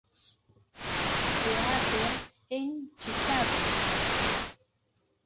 Leather" en Chicago.